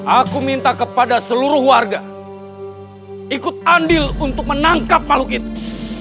aku minta kepada seluruh warga ikut andil untuk menangkap malu kita